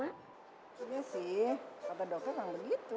maksudnya sih kata dokter kan begitu